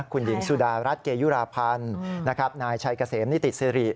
คุณหญิงสุดารัฐเกยุราพันธ์นายชัยเกษมนิติสิริ